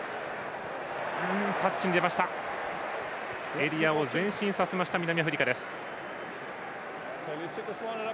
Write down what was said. エリアを前進させました南アフリカです。